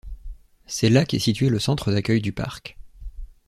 C'est là qu'est situé le centre d'accueil du parc.